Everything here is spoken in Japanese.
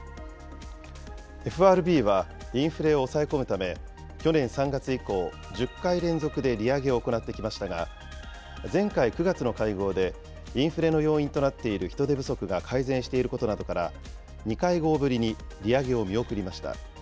ＦＲＢはインフレを抑え込むため、去年３月以降、１０回連続で利上げを行ってきましたが、前回９月の会合でインフレの要因となっている人手不足が改善していることなどから、２会合ぶりに利上げを見送りました。